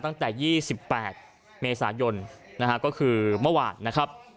ตั้งแต่๒๘เมษายนนะฮะก็คือเมื่อวานนะครับ